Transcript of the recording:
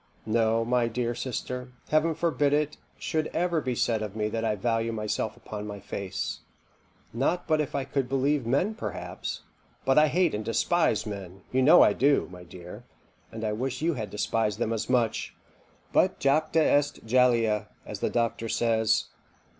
No, my dear sister, Heaven forbid it should ever be said of me that I value myself upon my face not but if I could believe men perhaps but I hate and despise men you know I do, my dear, and I wish you had despised them as much; but jacta est jalea, as the doctor says.